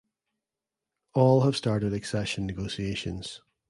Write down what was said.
All have started accession negotiations.